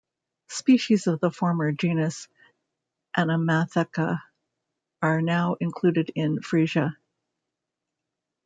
Species of the former genus Anomatheca are now included in "Freesia".